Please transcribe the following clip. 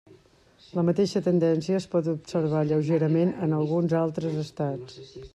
La mateixa tendència es pot observar lleugerament en alguns altres estats.